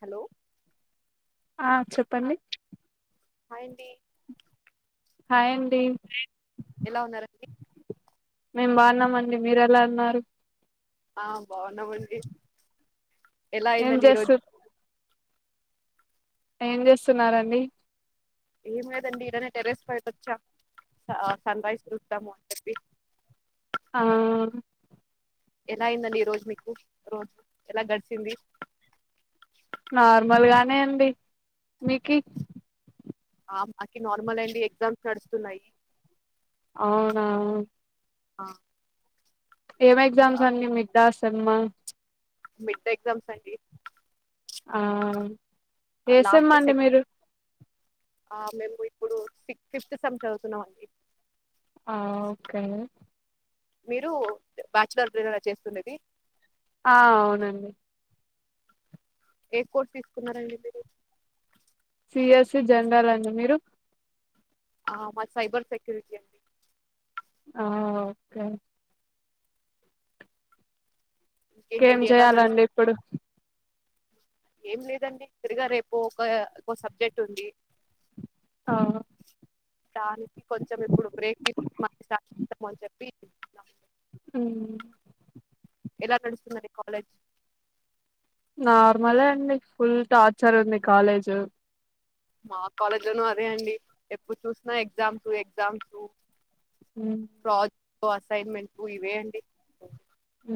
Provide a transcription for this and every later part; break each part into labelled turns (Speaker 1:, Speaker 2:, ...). Speaker 1: Hello
Speaker 2: ఆ చెప్పండి
Speaker 1: hi ండి
Speaker 2: హాయ్ అం
Speaker 1: ఎలా ఉన్నారండి
Speaker 2: మేం బాన్నామండి మీరు ఎలా ఉన్నారు
Speaker 1: ఆ బావున్నామండి ఎలా
Speaker 2: ఏం
Speaker 1: అయిందండి
Speaker 2: చేస్తు
Speaker 1: ఈరోజు
Speaker 2: ఏం చేస్తున్నారండి
Speaker 1: ఏం లేదండి ఇలానే టెర్రస్ పైట వచ్చాం సన్ రైజ్ చూస్తాము అని చెప్పి
Speaker 2: ఆ
Speaker 1: ఎలా ఐందండి ఈ రోజ మీకు రోజ ఎలా గడిచింది
Speaker 2: నార్మల్గానే అండి మీకి
Speaker 1: ఆ మాకి నార్మల్ అండి ఎగ్జామ్స్ నడుస్తున్నాయి.
Speaker 2: అవునా
Speaker 1: ఆ
Speaker 2: ఏం ఎగ్జామ్స్ అన్ని మీకు దాస్ సెమ్మా
Speaker 1: మిడ్ ఎగ్జామ్స్ అండి
Speaker 2: ఆ ఏ సెమ్
Speaker 1: లాస్ట్
Speaker 2: అండి
Speaker 1: సెక్
Speaker 2: మీరు
Speaker 1: ఆ మేము ఇప్పుడు సిక్ ఫిఫ్త్ సెమ్ చదువుతున్నామండి
Speaker 2: ఆ ఓకే
Speaker 1: మీరు బ్యాచలర్ [unintelligible] చేస్తున్నది
Speaker 2: ఆ అవునండి
Speaker 1: ఏ కోర్స్ తీసుకున్నారండి మీరు
Speaker 2: పిఎస్సి జనరల్ అండి మీరు
Speaker 1: ఆ మ సైబర్ సెక్యూరిటీ అండి
Speaker 2: ఆ ఓకే ఇంకేం
Speaker 1: ఇంకేంటండి ఎలా నడుస్తు
Speaker 2: చేయాలండి ఇప్పుడు
Speaker 1: ఏం లేదండి తిరగా రేపు ఒక ఒక సబ్జెక్ట్ ఉంది
Speaker 2: ఆ
Speaker 1: దానికి కొంచం ఇప్పుడు బ్రేక్ మ ఇద్దామని అని చెప్పి
Speaker 2: హ్మ్
Speaker 1: ఎలా నడుస్తుందండి కాలేజ్
Speaker 2: నార్మలే అండి ఫుల్ టార్చర్ ఉంది కాలేజ్
Speaker 1: మా కాలేజ్ లోనూ అదే అండి ఎప్పుడు చూసినా ఎగ్జామ్స్ ఎగ్జామ్స్
Speaker 2: ఉ
Speaker 1: జెక్టో అసైన్మెంట్ ఇవే అండి.
Speaker 2: ఊ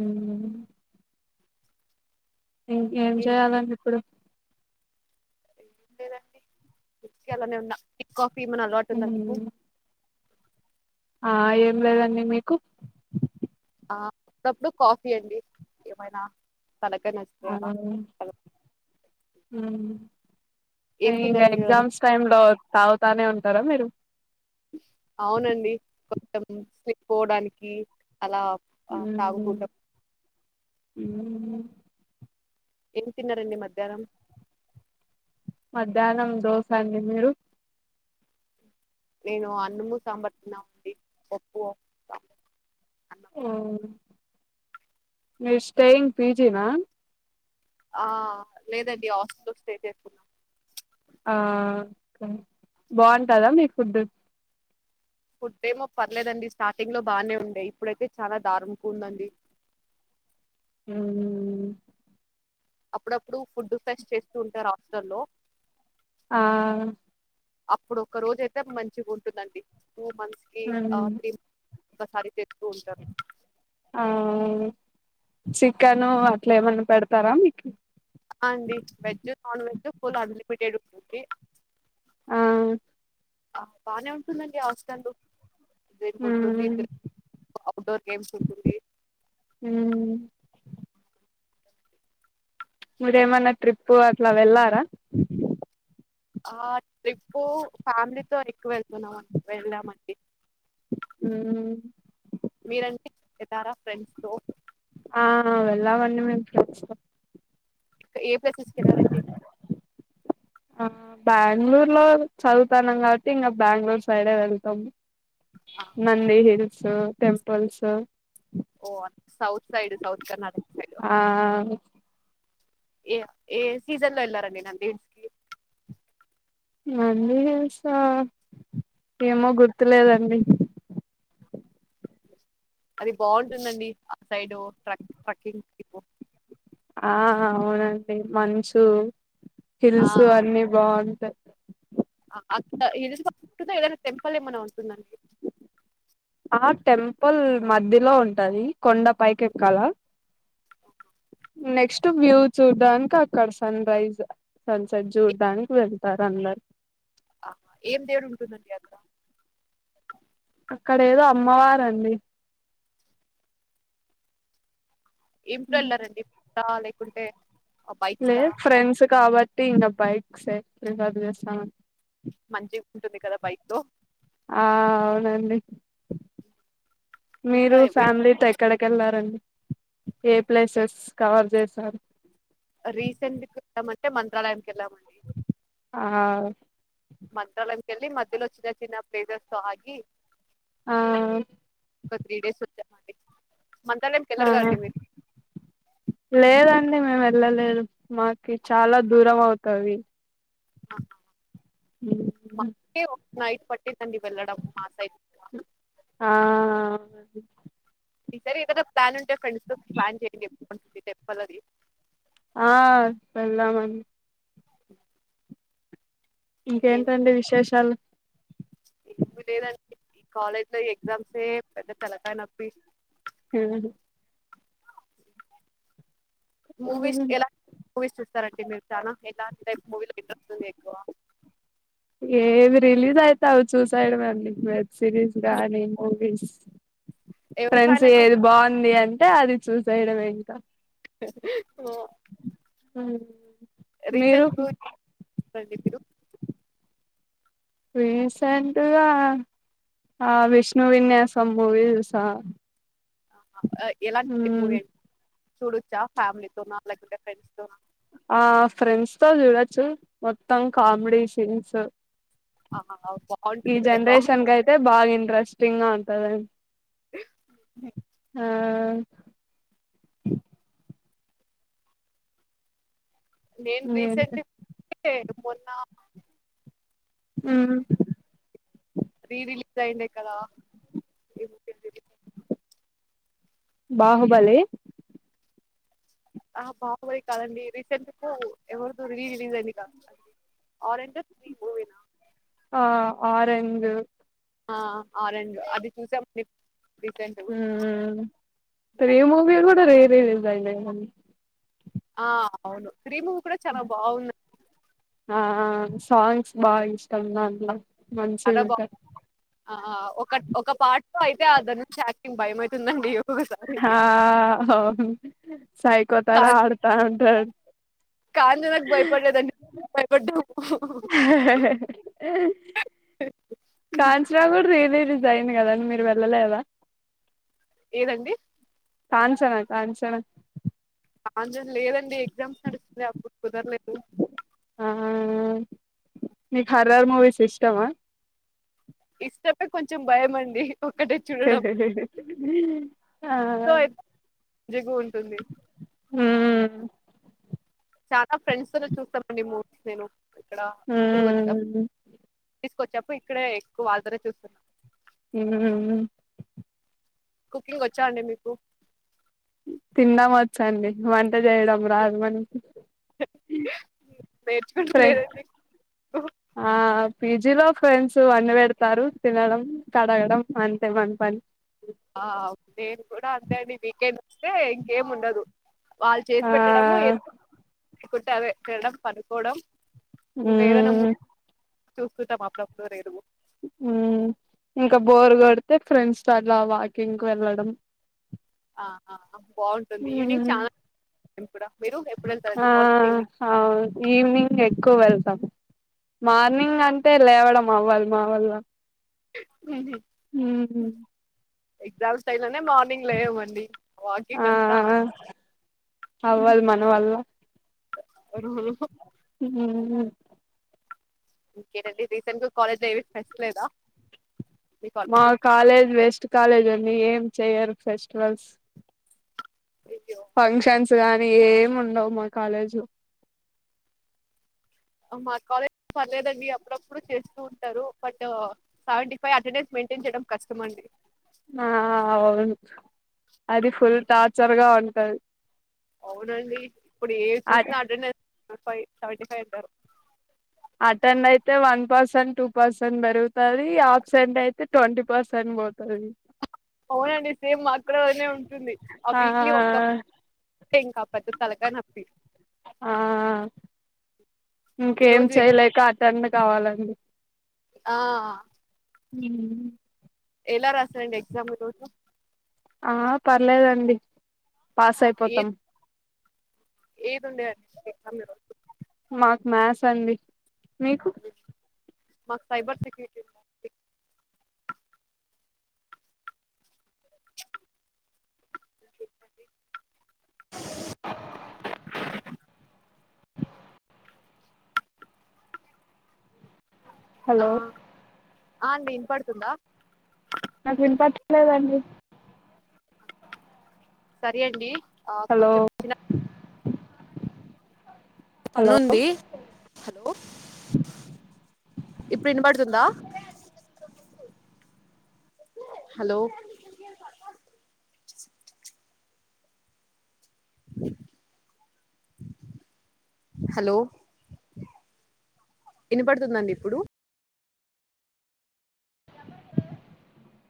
Speaker 2: ఇంకేం చేయాలండి ఇప్పుడు
Speaker 1: ఏం లేదండి ఊరికే అలానే ఉన్నా ఎకు మన్న అలవాటు ఉందా మీకు
Speaker 2: మ్మ్ ఆ ఏం లేదండి మీకు
Speaker 1: అప్పుడప్పుడు కాఫీ అండి ఏమైనా ఆ
Speaker 2: ఆ అ
Speaker 1: ఏం
Speaker 2: ఇంకా
Speaker 1: తిన్నారండి ఈరోజు
Speaker 2: ఎగ్జామ్స్ టైమ్ లో తాగుతానే ఉంటారా మీరు
Speaker 1: అవునండి కొంచం స్లీప్పోవడానికి అలా త తాగుతుంట
Speaker 2: ఊ
Speaker 1: ఏం తిన్నారండి మధ్యాహ్నం
Speaker 2: మధ్యాహ్నం దోస అండి మీరు
Speaker 1: నేను అన్నము సంబార్ తిన్నామండి పప్పు అలా
Speaker 2: ఆ మీ స్టేయింగ్ పిజీ నా
Speaker 1: ఆ లేదండి హాస్టల్ లో స్టే చేసున్నాం.
Speaker 2: ఆ ఓకే బాగుంటాదా మీకు ఫుడ్
Speaker 1: ఫుడ్ ఏమో పర్లేదండి స్టార్టింగ్ లో బానే ఉండే ఇప్పుడైతే చాలా దారుణంగా ఉందండి.
Speaker 2: ఊ ఊ
Speaker 1: అప్పుడప్పుడు ఫుడ్ ఫెస్ట్ చేస్తూ ఉంటారు హాస్టల్లో
Speaker 2: ఆ
Speaker 1: అప్పుడు ఒక్క రోజ అయితే మంచిగుంటుదండి. టూ మంత్స్ కి అ
Speaker 2: ఉమ్,
Speaker 1: త్రీ ఒక్కసారి తెచ్
Speaker 2: ఆ చికెన్ అట్ ఇట్లా ఏమన్నా పెడతారా మీకి
Speaker 1: ఆ అండి veg non veg full unlimited ఉంటుంది.
Speaker 2: ఆ
Speaker 1: ఆ బానే ఉంటుందండి హాస్టల్లో రైన్బోట్ ఉంది
Speaker 2: ఉమ్,
Speaker 1: అఔట్డోర్ గేమ్స్ ఉంటుంది.
Speaker 2: ఉమ్. మీరేమన్నా ట్రిప్పు అట్లా వెళ్లారా
Speaker 1: ఆ ట్రిప్పు ఫ్యామిలీతో ఎక్కువ వెళ్తున్నాం అన్ వెల్లాం అండి.
Speaker 2: ఊ
Speaker 1: తారా ఫ్రెండ్స్తో
Speaker 2: ఆ వెళ్ళామండి మేము ఫ్రెండ్స్తో
Speaker 1: ఏ ప్లేసెస్కి వెళ్ళారండి.
Speaker 2: బెంగళూర్ లో చదువుతాన్నాం కాబట్టి ఇంకా బెంగళూరు సైడే వెళ్తాం నంది హిల్స్ టెంపుల్స్
Speaker 1: ఓ south side south Karnataka side
Speaker 2: ఆ
Speaker 1: ఏ ఏ సీజన్ లో ఎలారండి నంది హిల్స్ కి
Speaker 2: మందిీస ఏమో గుర్తులేదండి
Speaker 1: అది బాగుంటుందండి ఆ సైడ్ ట్రక్ ట్రెక్కింగ్
Speaker 2: ఆ అవునండి మంచు హిల్స్ అన్ని బాగుంటాయి
Speaker 1: టెంపల్ ఏమన్న ఉం
Speaker 2: ఆ టెంపుల్ మధ్యలో ఉంటది కొండ పైకి ఎక్కాల
Speaker 1: ఓహ
Speaker 2: నెక్స్ట్ వ్యూ చూడ్డానికి అక్కడ సన్ రైజ్ సన్ సెట్ చూడ్డానికి వెళ్తారు అందరు
Speaker 1: ఆహా ఏం దేవుడు ఉంటుందండి అక్కడ
Speaker 2: అక్కడ ఏదో అమ్మవారండి
Speaker 1: ఇంళ్లారండి చాల కుంటే
Speaker 2: లేదు ఫ్రెండ్స్ కావచ్చ అంటే ఇంగ బైక్ సెట్ చేస్తామనీ
Speaker 1: మంచి
Speaker 2: ఆ అవునండి
Speaker 1: ఇంకా
Speaker 2: మీరు ఫ్యామిలీ టైప్ ఎక్కడికి ఎళ్లారండి ఏ ప్లేసెస్ కవర్ చేస్త సర
Speaker 1: రీసెంట్ అంటే మంత్రాలయం ఎల్ల మండి
Speaker 2: ఆ
Speaker 1: మంత్రాలయం కెళ్ళి మధ్యలో చిన్న చిన్న ప్లేసెస్ లో ఆగి
Speaker 2: ఆ
Speaker 1: ఒకత్రీడే సచ్చ అండి
Speaker 2: ఆహా లేదండి మేము వెళ్ళలేదు మాకి చాలా దూరం అవుతది
Speaker 1: మాకే ఒక నైట్ ప
Speaker 2: ఆ
Speaker 1: ఈ సారి ఏదో ప్లాన్ంటే ఫ్రెండ్స్ తో ప్లాన్ చేయండి టెంపల్ అది
Speaker 2: ఆ వెల్దామని
Speaker 1: ఇంకేంటంటే
Speaker 2: ఇంకేంటండి విశేషాలు
Speaker 1: కాలేజ్లో ఎగ్జామ్స్యే పెద్ద తలకాయ్ నొప్పి
Speaker 2: [inaudible] [unintelligible]
Speaker 1: మూవీస్ ఎలా మూవీస్ చూస్ కరెక్టే మీరు చానా ఎలాంటి టైప్ మూవీస్ ఇంట్రెస్టుందెక్కువ
Speaker 2: ఏవి రిలీజ్ అయితే అవి చూసైడమే అండి సిరీస్ గానీ మూవీస్
Speaker 1: ఎవరి
Speaker 2: ఫ్రెండ్స్
Speaker 1: ఫ్యాన్ అండి
Speaker 2: ఏది బాగుంది అంటే అది చూసి సైడ్ వెనక
Speaker 1: ఓ రీసెంట్
Speaker 2: మీరు
Speaker 1: [inaudible]
Speaker 2: రీసెంట్గా ఆ విష్ణు విన్యాసం మూవీ చూసా
Speaker 1: ఎలాంటి మూవి
Speaker 2: మ్మ్
Speaker 1: అండి చూడోచ్చా ఫ్యామిలీ తోన లేకుంటే ఫ్రెండ్స్ తోన
Speaker 2: ఆ ఫ్రెండ్స్ తో చూడొచ్చు మొ మొత్తం కామ్డీ సీన్స్
Speaker 1: ఆహా అవు
Speaker 2: ఈ జనరేషన్ కైతే బాగా ఇంట్రెస్టింగ ఉంటదండి ఆ
Speaker 1: నేను
Speaker 2: ఇంకేంటి
Speaker 1: రీసెంట్ [inaudible] మొన్న
Speaker 2: మ్మ్
Speaker 1: రీరిలీజ్ జైంది కదా
Speaker 2: బాహుబలి
Speaker 1: అహ బాహుబలి కాదండి రీసెంట్ కు ఎవరిదొ రీ రిలీజ్ అయింది కా ఆరంజ్ త్రీ మూవీనా
Speaker 2: ఆ ఆరెంజ్
Speaker 1: ఆ ఆరెంజ్ అది చూసానండి
Speaker 2: ఉమ్ త్రీ మూవీ కూడా ఈరోజు లేై లే అ [unintelligible]
Speaker 1: ఆ అవును త్రీ మూవీ కూడా చాలా బాగుంద
Speaker 2: ఆ సాంగ్స్ బాగా ఇష్టం దాంట్లో
Speaker 1: చాలా బాగు
Speaker 2: మంచిగుంటాయి
Speaker 1: ఆ ఒక ఒక పాట అయితే అ [inaudible] నుంచి భయమైతుందండి
Speaker 2: ఆ అవును సైకోతార ఆడతా అంటాడు
Speaker 1: కానీ నాకు భయపడలేదండి భయపడ్డాము
Speaker 2: కాంచరాడ ఏద రిలీస్ అయింది కదండి మీరు వెళ్ళలేదా
Speaker 1: ఏదండి
Speaker 2: కాంచనా కాన్ంచనా
Speaker 1: ఆంజ లేదండి ఎగ్జామ్స్ నడుస్తుంది అప్పుడు కుదరలేదు
Speaker 2: ఆ మీకు హరార్ మూవీస్ ఇష్టమా
Speaker 1: ఇష్టమే కొంచెం భయ మందింది
Speaker 2: ఆ
Speaker 1: సో అయితే మంచిగా ఉంటుంది
Speaker 2: హ్మ్
Speaker 1: చాలా ఫ్రెండ్స్ తోనే చూస్తామండి మూవీస్ నేను ఇక్కడ ఇప్పుడుకి వచ్చ
Speaker 2: హ్మ్
Speaker 1: తీసుకొచ్చప్పు ఇక్కడే ఎక్కువ వాదర చూస్తున్నా
Speaker 2: ఉ
Speaker 1: కుకింగ్ వచ్చా అండి మీకు
Speaker 2: తిన్నా వచ్చ అండి వంట చేయడం రాదు మన
Speaker 1: నేర్చుకుంటలేదండి
Speaker 2: ఆ పేజీ జిలో ఫ్రెండ్స్ అన్ని పెడతారు తినడం కడగడం అంతే మన పని
Speaker 1: ఆ నేను కూడా అంతే అం వీకెండ్ వస్తే ఇంకేం ఉండదు వాళ్ళు చేసి
Speaker 2: ఆ
Speaker 1: పెట్టడము కుట్ట అది తడం పనుకోవడం
Speaker 2: హ
Speaker 1: సూకృత మాలాప్పురు
Speaker 2: ఇంకా బోర్ కొడితే ఫ్రెండ్స్ అలా వాకింగ్ వెళ్ళడం
Speaker 1: ఆ బాగుంటుంది ఈవినింగ్
Speaker 2: ఉమ్
Speaker 1: చాలా ఇం కూడా మీరు ఎప్పుడు
Speaker 2: ఆ
Speaker 1: వెళ్తారండి మార్నింగ్
Speaker 2: అ ఈవినింగ్ ఎక్కువ వెళ్తాం మార్నింగ్ అంటే లేవడం అవ్వళ మావళ్ళ
Speaker 1: అ ఎగజామ్స్ టై మార్నింగ్ లేవమండి
Speaker 2: ఆ
Speaker 1: వాకింగ్ అంతా
Speaker 2: అవ్వదు మన వల్ల
Speaker 1: అ
Speaker 2: ఉమ్
Speaker 1: ఇంకేనండి రీసెంట్ గా కాలేజ్ ఏవి ఫస్ట్ లేదా మీ
Speaker 2: మా
Speaker 1: కాలేజ్
Speaker 2: కాలేజ్ వెస్ట్ కాలేజ్ అండి ఏం చేయరు ఫెస్టివల్స్
Speaker 1: అ
Speaker 2: ఫంక్షన్స్ గానీ ఏమి ఉండవు మా కాలేజీ
Speaker 1: మా కాలేజ్ పర్లేదండి అప్పుడప్పుడు చేస్తూ ఉంటారు but seventy five attendance maintain చేయడం కస్టమ్ అండి
Speaker 2: ఆ అవును అది ఫుల్ టార్చర్ గా ఉంటది
Speaker 1: అవునండి ఇప్పుడు ఏ
Speaker 2: అ
Speaker 1: చూసినా అటెండెన్ ఫైవ్ సథవంటీ ఫైవ్ అంటారు
Speaker 2: అటెండ్ అయితే వన్ పర్సెంట్ టూ పర్సెంట్ పెరుగుతుది ఆప్సెంట్ అయితే ట్వంటీ పర్సెంట్ పోతుది
Speaker 1: అవునండి సేమ్ మాక్కూడా అలానే ఉంటుంది ఆ వీక్లీ ఒక ఇంక పెద్ద తలకాయ నొప్పి
Speaker 2: ఆ
Speaker 1: ఈ
Speaker 2: ఇంకేం
Speaker 1: రోజు
Speaker 2: చెయ లేక టన్ కావాలండి
Speaker 1: ఆ
Speaker 2: మ్
Speaker 1: ఎలా రాస్తారండి ఎగ్జామ్ ఈ రోజు
Speaker 2: ఆ పర్లేదండి పాస్ అయిపోతాం
Speaker 1: ఏదు ఉండే అండి
Speaker 2: మాకు మ్యాస్ అండి మీకు
Speaker 1: మాకు సైబర్ సెక్యూరిటీ ఆ
Speaker 2: హలో
Speaker 1: అండి వినపడుతుందా
Speaker 2: నాకు వినపట్టలేదండి
Speaker 1: సరే అండి ఆ
Speaker 2: హలో
Speaker 1: కొంచెం చిన్న
Speaker 2: హలో
Speaker 1: పనుంది ఇప్పుడు ఇనపడుతుందా హలో హలో ఐనపడుతుందండి ఇప్పుడు